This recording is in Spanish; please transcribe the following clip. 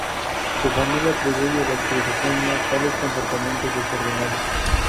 Su familia atribuye a la esquizofrenia tales comportamientos desordenados.